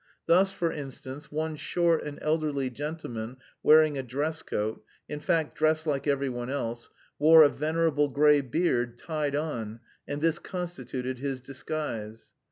Thus, for instance, one short and elderly gentleman wearing a dress coat in fact, dressed like every one else wore a venerable grey beard, tied on (and this constituted his disguise).